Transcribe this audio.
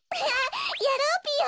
やろうぴよ！